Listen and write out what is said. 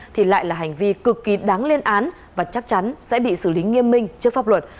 thì lại là hành vi cực kỳ đáng lên án và chắc chắn sẽ bị xử lý nghiêm minh trước pháp luật